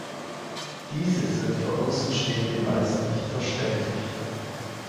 Diese sind für Außenstehende meist nicht verständlich.